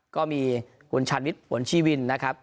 ก็มีคุณชาญวิทย์ผลชีวินนะครับ